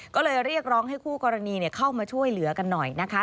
ก็เลยเรียกร้องให้คู่กรณีเข้ามาช่วยเหลือกันหน่อยนะคะ